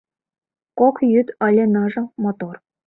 Кок йӱд ыле ныжыл, мотор.